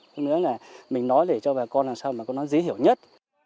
còn nữa là mình nói để cho bà con làm sao mà có nói dí hiểu nhất